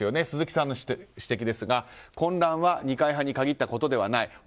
鈴木さんの指摘ですが混乱は二階派に限ったことではない。